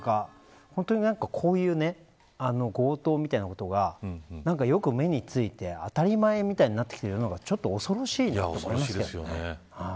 本当にこういう強盗みたいなことがよく目について、当たり前みたいになってきている世の中はちょっと恐ろしいですよね。